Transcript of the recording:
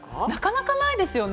なかなかないですよね。